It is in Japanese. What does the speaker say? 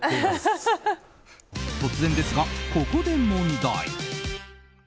突然ですが、ここで問題。